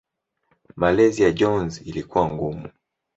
Malezi ya Jones ilikuwa ngumu.